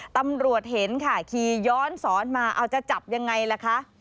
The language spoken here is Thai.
ตำรวจเห็นค่ะขี่ย้อนสอนมาเอาจะจับยังไงล่ะคะ